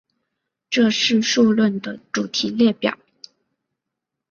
这是数论的主题列表。